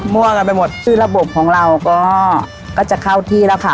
มั่วกันไปหมดคือระบบของเราก็ก็จะเข้าที่แล้วค่ะ